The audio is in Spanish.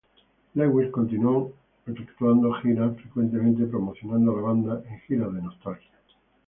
Lewis continuo efectuando giras, frecuentemente promocionando a la banda en giras de nostalgia.